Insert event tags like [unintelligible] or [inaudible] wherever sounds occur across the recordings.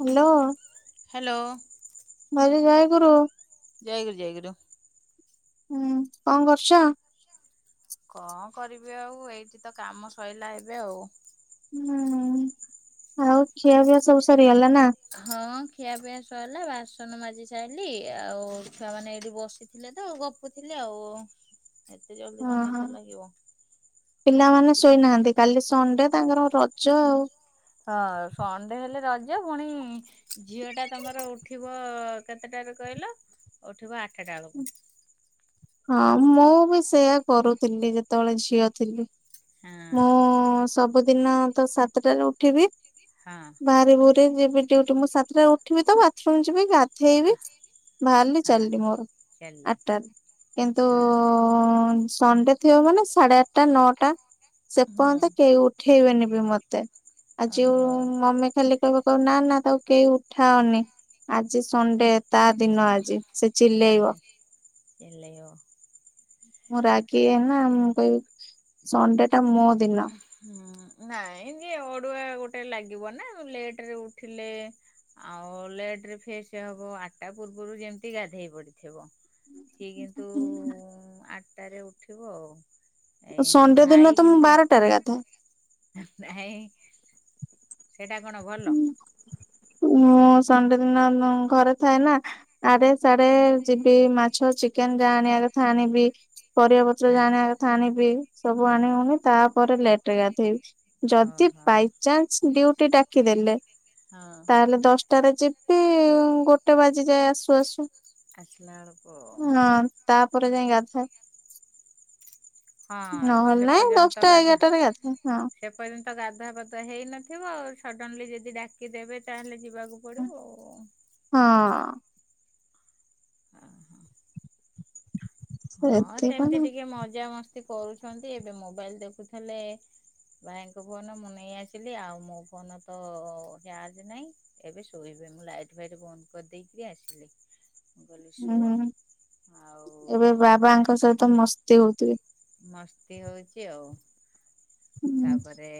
Hello hello ଦ୍ଭାଉଜ ଜୟ ଗୁରୁ। ଜୟ ଗୁରୁ ଜୟ ଗୁରୁ ହୁଁ କଣ କରୁଛ? କଣ କରିବି ଆଉ ଏଇଠି ତ କାମ ସଇଲା ଏବେ ଆଉ। ହୁଁ ଆଉ ଖିଆ ପିଆ ସବୁ ସରିଗଲା ନା! ହଁ ଖିଆପିଆ ସରିଲା ବାସନ ମାଜି ସାଇଲି ଆଉ ଛୁଆମାନେ ଏଇଠି ବସିଥିଲେ ତ ଗପ ଗପୁଥିଲି ଆଉ ଏତେ ଜଲଦି ହଁ କଣ ହଁ। ନିଦ ଲାଗିବ ପିଲାମାନେ ଗପୁଥିଲ। ଶୋଇନାହାନ୍ତି କାଲି ସନ ଡେ ତାଙ୍କର ରଜ ଆଉ ହଁ ସଣ୍ଡେ ହେଲେ ରଜ ପୁଣି ଝିଅ ଟା ତମର ଉଠିବ କେତେଟାରେ କହିଲ ଉଠିବ ଆଠଟା ବେଳକୁ ହଁ ମୁଁ ବି ସେୟା କରୁଥିଲି ଯେତେବେଳେ ଝିଅ ଥିଲି। ହଁ ମୁଁ ସବୁଦିନ ତ ସାତଟାରେ ଉଠିବି ହଁ। ବାହାରି ଭୁରି ଯିବି ଡିଉଟି ମୁଁ ସାତଟାରେ ଉଠିବି ତ ବାଥରୁମ ଯିବି ଗା ଧେଇବି ବାହାରିଲି ହଁ ଚାଲିଲି ମୋର ଚାଲେ ଆଠଟାରେ କିନ୍ତୁ ହଁ। ହ ସଣ୍ଡେ ଥିବ ମାନେ ସାଢେ ଆଠଟା ନଅଟା ସେ ହୁଁ ପର୍ଯ୍ୟନ୍ତ କେଇ ଉଠେଇବେନି ବି ମତେ ଆଉ ଯଉ ଓହୋ ମମି ଖାଲି କହିବ କହିବ ନା ନା ତାକୁ କେହି ଉଠାଅନି ଆଜି ସଣ୍ଡେ ତା ଦିନ ଆଜି ସେ ଚିଲେଇବ ତାନ୍ତ ଏଲୟୋ ହବ ମୁଁ ରାଗି ନା ମୁଁ କହିବି ସଣ୍ଡେ ଟା ମୋ ଦିନ ହୁଁ ନାଇଁ ଏମିତି ଅଡୁଆ ଗୋଟେ ଲାଗିବ ନା ଲେଟରେ ଉଠିଲେ। ଆଉ ଲେଟ ରେ ଫେ ସେ ହବ ଆଠଟା ପୂର୍ବରୁ ଯେମିତି ଗାଧେଇ ପଡିଥିବ ସେ କିନ୍ତୁ ଆଠଟାରେ ଉଠିବ ଆଉ ଏଇ ସଣ୍ଡେ ଦିନ ତ ମୁ ବାରଟାରେ ଗାଧେ ଏ [unintelligible] ସେଇଟା କଣ ଭଲ ମୁଁ ସଣ୍ଡେ ଦିନ ଘରେ ଥାଏ ନା ଆରେ ସାଡେ ଯିବି ମାଛ ଚିକେନ ଯାହା ଆଣିବା କଥା ଆଣିବି ପରିବା ପତ୍ର ହଁ। ଯାହା ଆଣିବା କଥା ଆଣିବି ସବୁ ହଁ। ଆଣିଉନି ତାପରେ ଲେଟ ରେ ଗାଧୋଇବି ଯଦି ଓହୋ। ବାଇଚାନ୍ସ ଡି ୟୁ ଟି ଡାକିଦେଲେ ହଁ। ତାହେଲେ ଦଶଟାରେ ଯିବି ଗୋଟେ ବାଜି ଯାଏ ଆସୁ ଆସୁ ଆସିଲା ବେଳକୁ ହଁ ତାପରେ ଯାଇଁ ଗାଧାଏ ହଁ ନହେଲେ ସେ ନାଇଁ ଦଶଟା ଏଗାରଟାରେ ଗାଧାଏ ହ- ଯେ ପର୍ଯ୍ୟନ୍ତ ଗାଧୁଆ ପାଧୁଆ ହେଇନଥିବ ସଡ଼ନଲି ଯଦି ଡାକିଦେବେ ତହେଲେ ଯିବାକୁ ପଡ଼ିବ ଆଉ ହଁ। ହଁ ହଁ [unintelligible] ହଁ ସେମିତି ସେଥିପାଇଁ ଟିକେ ମଜା ମସ୍ତି କରୁଛନ୍ତି ଏବେ ମୋବାଇଲ ଦେଖୁଥିଲେ। ଭାଇଙ୍କ ଫୋନ ମୁଁ ନେଇ ଆସିଲି ଆଉ ମୋ ଫୋନ ତ ଚାର୍ଜ ନାହିଁ ଏବେ ଶୋଇବେ ମୁଁ ଲାଇଟ୍ ଫାଇଟ ବନ୍ଦ କରିଦେଇକରି ଆସିଲି ମୁଁ କହିଲି ସୁଅ ହୁଁ [unintelligible] ଆଉ। ସହିତ। ତ ମସ୍ତି ହଉଥିବେ। ମସ୍ତି ହଉଛି ଆଉ ତାପରେ।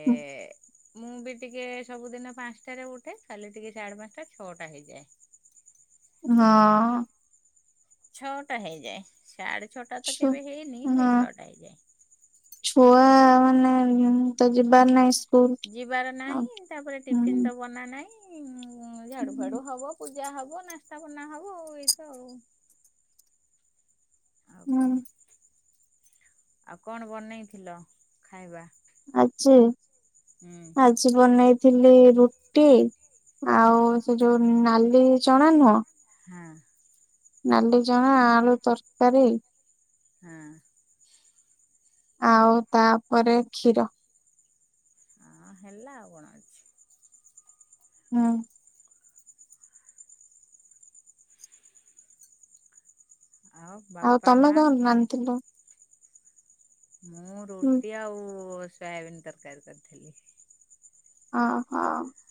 ମୁଁ ବି ଟିକେ ସବୁଦିନ ପାଞ୍ଚଟାରେ ଉଠେ ଖାଲି ଟିକେ ସାଢେ ପାଞ୍ଚଟା ଛଅଟା ହେଇଯାଏ। ହଁ। ଛଅଟା ହେଇଯାଏ ସାଢେ ଛଅଟା ତ ଛୁ କେବେ ହେଇନି ସେଇ ହଁ ଛଅଟା ହେଇଯାଏ। ଛୁଆ ହଁ ମାନେ ତ ଜିବାର ନାହିଁ। ସ୍କୁଲ ଯିବାର ଆଉ ନାହିଁ ତାପରେ ହୁଁ ଟିଫିିନ ତ ବନା ନାହିଁ। ଉ ଝାଡୁ ଫାଡୁ ହୁଁ ହବ ପୂଜା ହବ ନାସ୍ତା ବନା ହବ ଆଉ ଏଇତ ଆଉ। ଆଉ କଣ ଆଉ କଣ ବନେଇଥିଲ ଖାଇବା। ଆଜି ହୁଁ ଆଜି ବନେଇଥିଲି ରୁଟି। ଆଉ ହଁ। ସେ ଯୋଉ ନାଲି ଚଣା ନୁହଁ। [inaudible] ନାଲି ଚଣା ଆଳୁ ତର୍କାରୀ। [inaudible] ଆଉ ତା'ପରେ କ୍ଷୀର। ହେଲା ଆଉ, କ'ଣ ଅଛି? ହୁଁ। ଆଉ ବାପା ତମେ ମା କ'ଣ ନା---ଥିଲ? ମୁଁ ହୁଁ ରୁଟି ଆଉ ସୋୟାବିିନ୍‌ ତର୍କାରୀ କର୍ ଥିଲି। [inaudible]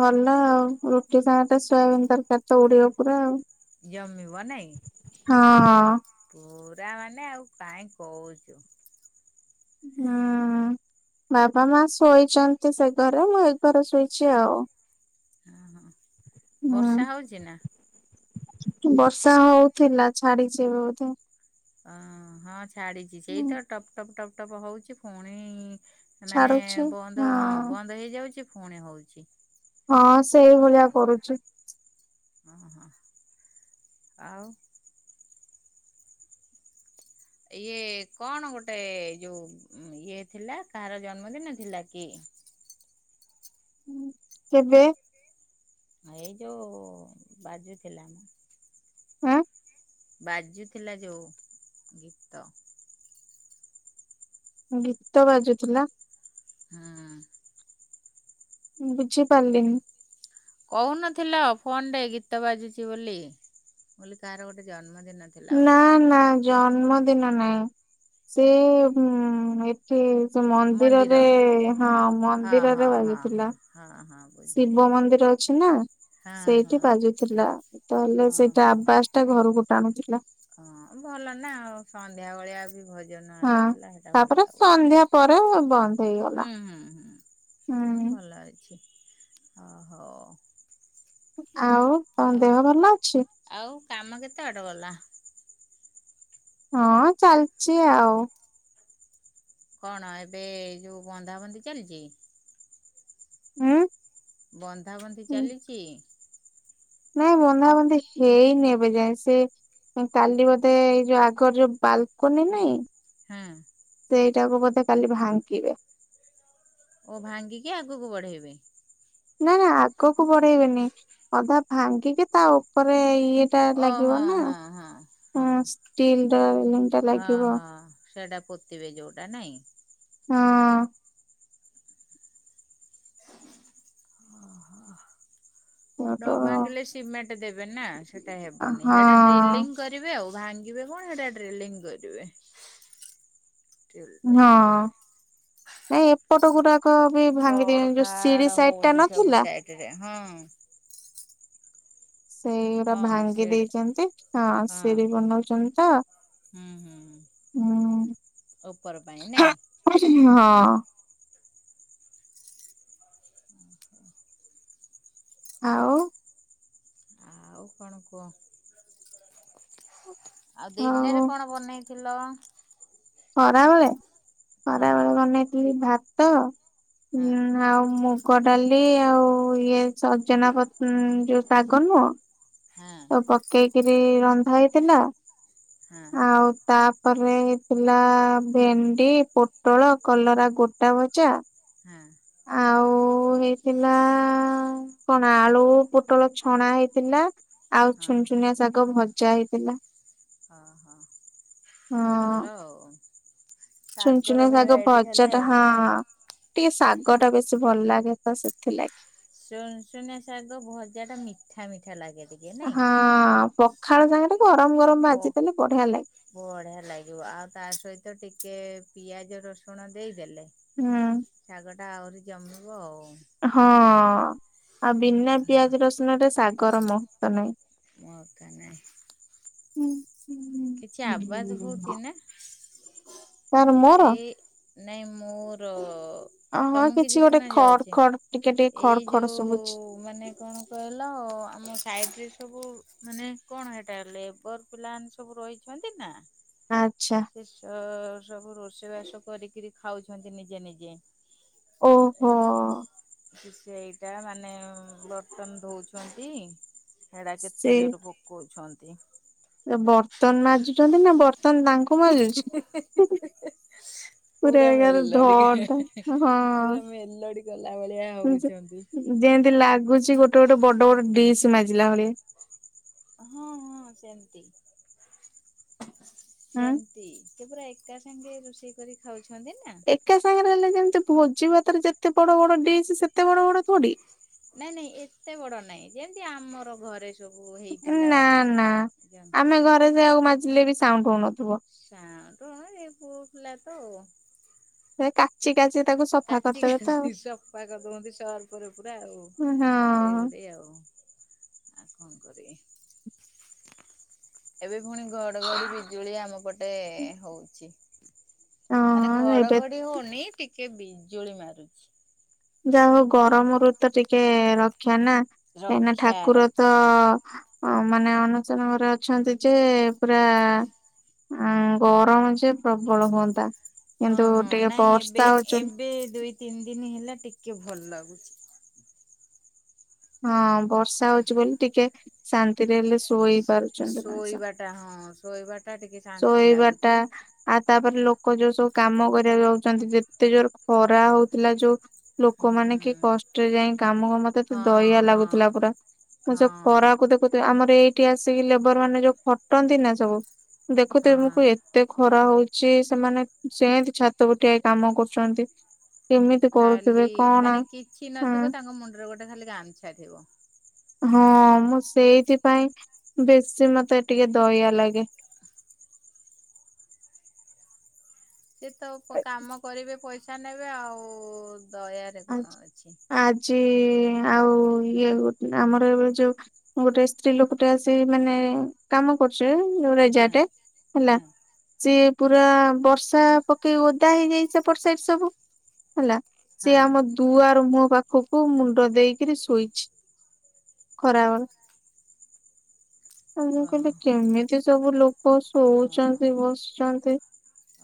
ଭଲ ଆଉ, ରୁଟି ସହିତ ସୋୟବିନ୍‌ ତର୍କାରୀ ତ ଉଡ଼ିବ ପୁରା ଆଉ। ଜମିବ ନାଇଁ। ଆଉ ପୁରା ମାନେ, ଆଉ କାଇଁ କଉଚୁ। [inaudible] ବାପା-ମା ଶୋଇଚନ୍ତି ସେ ଘରେ, ମୁଁ ଏ ଘରେ ଶୁଇଚି ଆଉ। ହୁଁ ବର୍ଷା ହୁଁ ହଉଚି ନା? ବର୍ଷା ହଉଥିଲା, ଛାଡ଼ିଚି ଏବେ ବଧେ। ଅଁ ହଁ, ଛାଡ଼ିଚି। ହୁଁ ସେଇତ ଟପ୍ ଟପ୍ ଟପ୍ ଟପ୍ ହଉଚି ଫୁଣି। ମାନେ ବନ୍ଦ ହଁ, ବନ୍ଦ ହେଇ ଯାଉଚି ଫୁଣି ହଉଚି। [inaudible] ହଁ ସେଇଭଳିଆ କରୁଛି। [inaudible] ଇଏ କ'ଣ ଗୋଟେ ଯଉ ଇଏ ଥିଲା, କାହାର ଜନ୍ମଦିନ ଥିଲା କି? କେବେ? ଏଇ ଯଉ ବାଜୁ ଥିଲାମ। ଆଁ ବାଜୁ ଥିଲା ଯଉ ଗୀତ। ଗୀତ ବାଜୁ ଥିଲା। ହୁଁ। ବୁଝି ପାର୍ଲିନି। କହୁ ନଥିଲ ଫୋନ୍‌ ରେ ଗୀତ ବାଜୁଚି ବୋଲି? କାହାର ଗୋଟେ ଜନ୍ମଦିନ। ଥିଲା ନା ବୋଧେ ନା, କଲୋନୀରେ ଜନ୍ମ ଦିନ ନାଇଁ। ସେ----ଏଠି ସେ ମନ୍ଦିର ମନ୍ଦିରରେ, ହଁ ହଁ ହଁ ମନ୍ଦିରରେ ବା ହଁ ଥିଲା। [inaudible] ଶିବ ମନ୍ଦିର ଅଛି ନା, ହଁ ହଁ ସେଇଠି ବାଜୁଥିଲା। ତା'ହେଲେ ହଁ ସେଇଟା ହଁ ଆବାସ୍‌ ଟା ଘରକୁ ଟାଣୁ ଲା। ହଁ, ଭଲ ନା ଆଉ ସନ୍ଧ୍ୟା ବଳିଆ ବି ଭଜ ହଁ। [unintelligible] ତାପରେ ସନ୍ଧ୍ୟା ପରେ ବନ୍ଦ ହେଇଗଲା ଉଁ, ହୁଁ। ଭଲ ଅଛି। ଅ ଆଉ ତମ ଦେହ ଭଲ ଅଛି? ଆଉ କାମ କେତେ ବାଟ ଗଲା? ହଁ, ଚାଲ୍ଚି ଆଉ। କ'ଣ ଏବେ ଯଉ ବନ୍ଧା ବନ୍ଧି ଚାଲ୍ଚି? [inaudible] ବନ୍ଧା ବନ୍ଧି ହୁଁ, ଚାଲିଚି। ନାଇଁ, ବନ୍ଧା ବନ୍ଧି ହେଇନି ଏବେ ଯାଏ। ସେ କାଲି ବଧେ, ଏଇ ଯଉ ଆଗର ଯଉ ବାଲ୍ କୋନି ନାଇଁ। ହୁଁ। ସେଇଟାକୁ ବଧେ କାଲି ଭାଙ୍କିବେ। ଓ ଭାଙ୍ଗିକି ଆଗୁକୁ ବଢ଼େଇବେ। ନା ନା, ଆଗକୁ ବଢ଼େଇ ବେନି। ଅଧା ଭାଙ୍ଗିକି ତା ଉପରେ ଇ ଓ ଲାଗିବ ହଁ ନା, ହଁ ହଁ ହୁଁ ହଁ ଷ୍ଟିଲ୍‌ର ଲାଗିବ। ସେଟା ପୋତିବେ ଯଉଟା ନାଇଁ। ହଁ। ଓହୋ। ନ ସେଠୁ ହଁ ଭାଙ୍ଗିଲେ ସିମେଣ୍ଟ ଦେବେ ନା ସେଟା ହେବନି ସେଟା ହଁ ଡ୍ରିଲିଂ। କରିବେ ଆଉ ଭାଙ୍ଗିବେ କଣ ହେଟା ଡ୍ରେଲିଂ କରିବେ। [unintelligible] ନାଇଁ ଏପଟ ଗୁଡାକ ବି ଭାଙ୍ଗି ଖଡ ଦେଇଛନ୍ତି ଯୋଉ ଖାଡ ସିଡି ସାଇଡ ଟା ହଉଛି ସବୁ ନଥିଲା। ସାଇଡ ହଁ। ସେଇଗଡା ହଁ ଭାଙ୍ଗି ସେଡ ଦେଇଛନ୍ତି ହଁ ସିରି ବନଉଛନ୍ତି ତ। ହୁଁ ହୁଁ ଉପର ପାଇଁ ନାଇଁ। ହଁ। ହ। ଆଉ ଆଉ କଣ କୁହ? ଆଉ ଦିନରେ କଣ ବନେଇଥିଲ। ଖରାବେଳେ ହଁ ଖରାବେଳେ ବନେଇଥିଲି ଭାତ ହଁ ଉ ଆଉ ମ ମୁଗଡାଲି ଆଉ ଇଏ ସଜନା ପ ଯୋଉ ଶାଗ ନୁହଁ। ହଁ। ପକେଇ କିରି ରନ୍ଧା ହେଇଥିଲା ହଁ ଆଉ। ତାପରେ ହେଇ ଥିଲା ଭେଣ୍ଡି ପୋଟଳ କଲରା ଗୋଟା ଭଜା। ହଁ। ଆଉ ହେଇଥିଲା। କଣ ଆଳୁ ପୋଟଳ ଛଣା ହେଇଥିଲା। ଆଉ ଛୁନ ଛୁନିଆ ଶାଗ ଭଜା ହେଇଥିଲା। ଓହୋ ଭଲ ଆଉ। ଶାଗର ଚୁନଚୁନ ସାାଗ ଭେରାଇଟି ଖାଲି ଭାଜାଟା ଆଉ। ହଁ। ଟିକେ ଶାଗ ଟା ବେଶୀ ଭଲ ଲାଗେ ତ ସେଥିଲାଗି। ସୁନ ଶୁନିଆ ସାଗ ଭଜା ଟା ମିଠା ମିଠା ଲାଗେ ଟିକେ ନାଇଁ। ହଁ ପଖାଳ ସାଙ୍ଗରେ ଗରମ ଗରମ ପ ଭାଜି ଦେଲେ ବଢିଆ ଲାଗେ। ବଢିଆ ଲାଗିବ ଆଉ ତା ସହିତ ଟିକେ ପିଆଜ ରସୁଣ ଦେଇଦେଲେ। ହୁଁ। ଶାଗ ଟା ଆହୁରି ଜମିବ ଆଉ। ହଁ ଆଉ ବିନା ପିଆଜ ରସୁଣ ରେ ଶାଗର ମହତ୍ଵ ନାହିଁ। ମୋକ ନାଇ ହୁଁ କିଛି ଆବାଜ ହଉଛି ନା। ତାର ମୋର ଏଇ ନାଇଁ ମୋର ହଁ ତମକୁ କିଛି ଗୋଟେ ଶୁଣା ଖଡ ଯାଉଛି ଖଡ ଟିକେ ଟିକେ ଖଡ ଏଇ ଖଡ ଶୁଭୁଛି ଯୋଉ ମାନେ କଣ କହିଲ ଆମ ସାଇଡ ରେ ସବୁ ମାନେ କଣ ହେଟା ଲେବର୍ ପିଲାମାନେ ସବୁ ରହିଛନ୍ତି ନା ଆଚ୍ଛା ସେ ସ ସବୁ ରୋଷେଇ ବାସ କରିକିରି ଖାଉଛନ୍ତି ନିଜେ ନିଜେ ଓହୋ ଏ କି ସେଇଟା ମାନେ ବର୍ତ୍ତନ ଧଉଛନ୍ତି ସେଇଡ଼ା ସେ କେତେ ଜୋର ପକାଉଛନ୍ତି ବର୍ତ୍ତନ ମାଜୁଛନ୍ତି ନା ବର୍ତ୍ତନ ତାଙ୍କ ହୁ ହୁ ହୁ ପୁରା ଏକାଥରେ ମେଲଡି ଧଡ ଧ ହେହେହେହେ ପୁରା ହଁ ମେଲଡି କଲା ଭଳିଆ ହଉଛନ୍ତି ଯେମତି ଲାଗୁଛି ଗୋଟେ ଗୋଟେ ବଡ ବଡ ଡିସ୍ ମାଜିଲା ଭଳିଆ ହଁ ହଁ ସେମତି ହୁଁ। ସେମତି ସେ ପୁରା ଏକା ସାଙ୍ଗେ ରେ ରୋଷେଇ କରି ଖାଉଛନ୍ତି ନା। ଏକା ସାଙ୍ଗରେ ହେଲେ ଯେମିତି ଭୋଜି ଭାତରେ ଯେତେ ବଡ ବଡ ଡିସ୍ ସେତେ ବଡ ବଡ ଥୋଡି। ନାଇଁ ନାଇଁ ଏତେ ବଡ ନାଇଁ ଯେଁତି ଆମର ଘରେ। ସବୁ ହେଇଥିଲା। ନା ନା ଆମେ ଘରେ ସେଆକୁ ମାଜିଲେ ବି ସାଉଣ୍ଡ ହଉନଥ ସାଉଣ୍ଡ କଣ ଇଏ ପୁଅ ପିଲା ତ। ହେ କା। ଚିକା ଚୀ ତାକୁ। ସଫା କାଚି କରିଦେବେ ତ କାଚି ସଫା କରି ଦଉଛନ୍ତି ସର୍ପରେ ପୁରା ଆଉ। ଉଡେଇ ଉଡେଇ ଆଉ ଆଉ କଣ କରିବି। ଏବେ ପୁଣି ଘଡଘଡି ବିଜୁଳି ଆମ ପଟେ ହଁ। ହଉଚି। ମାନେ ହଁ ଏବେ ଘଡଘଡି ହଉନି ଟିକେ ବିଜୁଳି ମାରୁଛି। ଯା ହଉ ଗରମରୁ ତ ଟିକେ ରକ୍ଷା ନା କାଇଁ ନା ରକ୍ଷା ଠାକୁର ତ। ରକ୍ଷା। ହଁ ମାନେ ଅନୁଚରଣ ରେ ଅଛନ୍ତି ଯେ ପୁରା। ଉଁ ଗରମ ଯେ ପ୍ରବଳ ହୁଅନ୍ତା ହଁ କିନ୍ତୁ ହଁ ଟିକେ ନାଇଁ ଏବେ ବର୍ଷା ହଉଛି ଏବେ ଦୁଇ ତିନି ଦିନ ହେଲା ଟିକେ ଭଲ ଲାଗୁଛି। ହଁ ବର୍ଷା ହଉଛି ବୋଲି ଟିକେ ଶାନ୍ତିରେ ହେଲେ ଶୋଇ ପାରୁ ଶୋଇବା ଟା ହଁ ଶୋଇବା ଟା ଟିକେ ଶାନ୍ତି ଶୋଇବାଟା ଲାଗୁଛି। ଆଉ ତାପରେ ଲୋକ ଯୋଉ ସବୁ କାମ କରିବାକୁ ଯାଉଛନ୍ତି ଯେତେ ଜୋର ଖରା ହଉଥିଲା ଯୋଉ। ଲୋକମାନେ କି ହୁଁ କଷ୍ଟରେ ଯାଇ କାମକୁ ମତେ ଏତେ ହଁ ଦୟା ହଁ ଲାଗୁଥିଲା ପୁରା। ମୁଁ ହଁ ସେ ଖରାକୁ ଦେଖୁ ଥିବି ଆମର ଏଇଠି ଆସିକି ଲେବର ମାନେ ଯୋଉ ଖଟନ୍ତି ନା ସବୁ। ଦେଖୁ ଥିବି ମୁଁ ହଁ। କୁଏ। ଏତେ ଖରା ହଉଛି ସେମାନେ ସେଁତି ଛାତ ଉପରେ ଠିଆହେଇ କାମ କରୁଛନ୍ତି। କେମିତି ଖାଲି କରୁଥିବେ କଣ ମାନେ କିଛି ନଥିବ ତାଙ୍କ ମୁଣ୍ଡରେ ଗୋଟେ ଖାଲି ଗାମଛା ଥିବ। ହଁ ମୁଁ ସେଇଥିପାଇଁ ବେଶୀ ମତେ ଟିକେ ଦୟଆ ଲାଗେ। ସିଏ ତ କାମ କରିବେ ପଇସା ନେବେ ଆଉ ଦୟା। ଆ ଆଜି ଆଉ ଇଏ ଗୋ ଆମର ଏବେ ଯୋଉ। ଗୋଟେ ସ୍ତ୍ରୀ ଲୋକଟେ ଆସି ମାନେ। କାମ କରୁଚି ହଁ ରେଜାଟେ ହେଲା। ହଁ ସିଏ ପୁରା ବର୍ଷା ପକେଇ ଓଦା ହେଇଯାଇଚି ସେପଟ ସାଇଡ ସବୁ ହେଲା। ସିଏ ହଁ ଆମ ଦୁଆର ମୁହଁ ପାଖକୁ ମୁଣ୍ଡ ଦେଇ କିରି ଶୋଇଛି ଖରା ବେଳେ। ମୁଁ ଓ କହିଲି କେମିତି ସବୁ ଲୋକ ଶୋଉଛନ୍ତି ବସିଛନ୍ତି।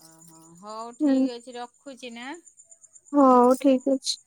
ଓ ହଁ ହଉ ଠିକ ଅଛି ରଖୁଛି ନା। ହଉ ଠିକ ଅଛି।